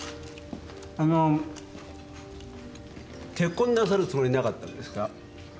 あのー結婚なさるつもりなかったんですか？